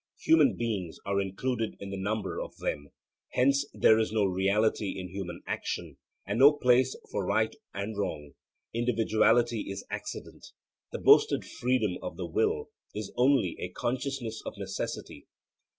Human beings are included in the number of them. Hence there is no reality in human action and no place for right and wrong. Individuality is accident. The boasted freedom of the will is only a consciousness of necessity.